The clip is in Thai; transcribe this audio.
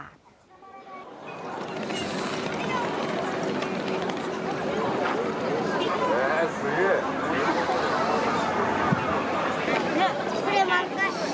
สวัสดีครับ